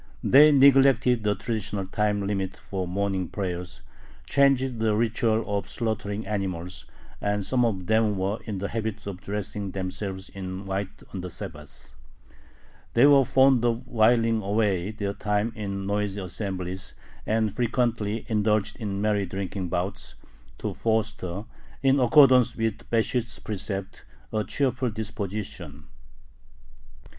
They neglected the traditional time limit for morning prayers, changed the ritual of slaughtering animals, and some of them were in the habit of dressing themselves in white on the Sabbath. They were fond of whiling away their time in noisy assemblies, and frequently indulged in merry drinking bouts, to foster, in accordance with Besht's precept, "a cheerful disposition."